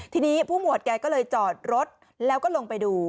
ทีนี้ผู้หมวดแกก็เลยจอดรถแล้วก็ลงไปดู